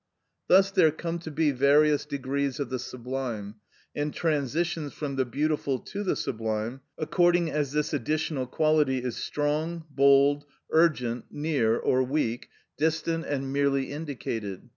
Thus there come to be various degrees of the sublime, and transitions from the beautiful to the sublime, according as this additional quality is strong, bold, urgent, near, or weak, distant, and merely indicated.